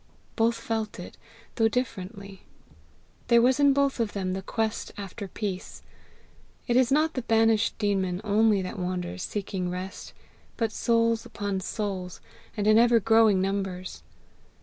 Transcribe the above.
Both felt it, though differently. There was in both of them the quest after peace. It is not the banished demon only that wanders seeking rest, but souls upon souls, and in ever growing numbers.